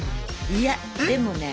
いやでもねえ。